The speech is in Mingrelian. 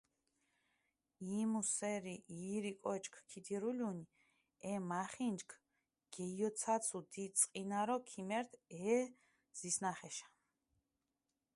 იმუ სერი ირი კოჩქჷ ქიდირულუნი, ე მახინჯქჷ გეიოცაცუ დი წყინარო ქიმერთ ე ზისჷნახეშა.